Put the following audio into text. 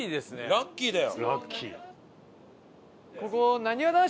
ラッキーだよ。